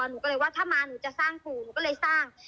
หนูก็เลยว่าถ้ามาหนูจะสร้างปู่หนูก็เลยสร้าง